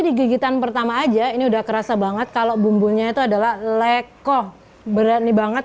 digigitan pertama aja ini udah kerasa banget kalau bumbunya itu adalah lekoh berani banget